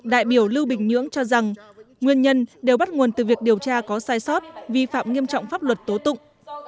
đại biểu lưu bình nhưỡng cho rằng nguyên nhân đều bắt nguồn từ việc điều tra có sai sót vi phạm nghiêm trọng pháp luật tố tụng